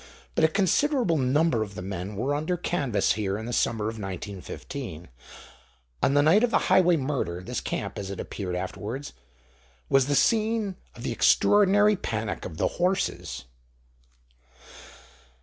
But a considerable number of the men were under canvas here in the summer of 1915. On the night of the Highway murder this camp, as it appeared afterwards, was the scene of the extraordinary panic of the horses.